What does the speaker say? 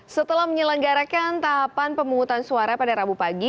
setelah menyelenggarakan tahapan pemungutan suara pada rabu pagi